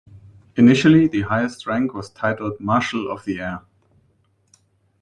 Initially the highest rank was titled marshal of the air.